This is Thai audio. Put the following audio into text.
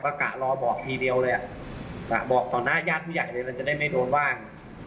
กะรอบอกทีเดียวเลยอ่ะบอกต่อหน้าญาติผู้ใหญ่เลยมันจะได้ไม่โดนว่าง